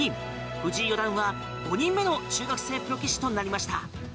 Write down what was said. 藤井四段は、５人目の中学生プロ棋士となった。